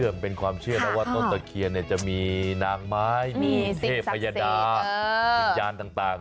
มันเป็นความเชื่อนะว่าต้นตะเคียนเนี่ยจะมีนางไม้มีเทพยดาวิญญาณต่าง